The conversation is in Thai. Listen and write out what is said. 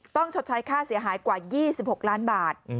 ชดใช้ค่าเสียหายกว่า๒๖ล้านบาท